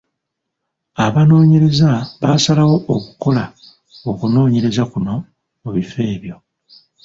Abanoonyereza baasalawo okukola okunoonyereza kuno mu bifo ebyo.